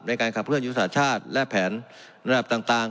ในการขับเคลื่อนยุทธศาสตร์ชาติและแผนระดับต่าง